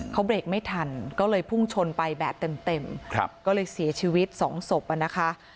เขาเบรกไม่ทันก็เลยพุ่งชนไปแบบเต็มก็เลยเสียชีวิตสองศพอ่ะนะคะ